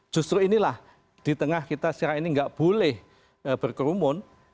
justru inilah di tengah kita secara ini nggak boleh berkerumun